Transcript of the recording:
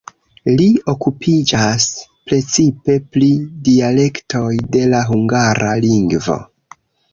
Li okupiĝas precipe pri dialektoj de la hungara lingvo.